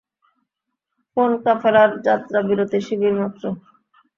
কোন কাফেলার যাত্রাবিরতি শিবির মাত্র।